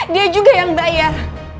dia juga yang bayar